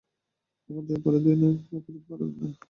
ক্ষমা চেয়ে অপরাধিনীদের আর অপরাধ বাড়াবেন না।